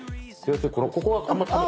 ここはあんま食べ。